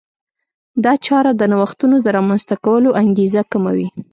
دا چاره د نوښتونو د رامنځته کولو انګېزه کموي.